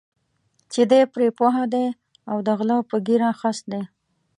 چې دی پرې پوه دی او د غله په ږیره خس دی.